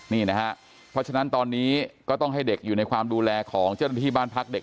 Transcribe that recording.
นี่นะฮะเพราะฉะนั้นตอนนี้ก็ต้องให้เด็กอยู่ในความดูแลของเจ้าหน้าที่บ้านพักเด็ก